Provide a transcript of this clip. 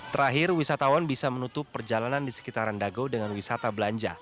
terakhir wisatawan bisa menutup perjalanan di sekitaran dago dengan wisata belanja